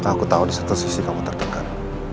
aku tau di satu sisi kamu tertekan